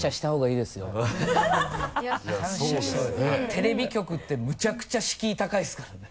テレビ局ってむちゃくちゃ敷居高いですからね。